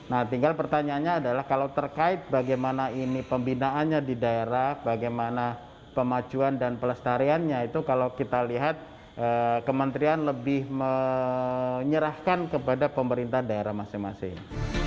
nah tinggal pertanyaannya adalah kalau terkait bagaimana ini pembinaannya di daerah bagaimana pemajuan dan pelestariannya itu kalau kita lihat kementerian lebih menyerahkan kepada pemerintah daerah masing masing